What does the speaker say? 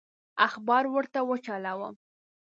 اخبار ورته وچلوم.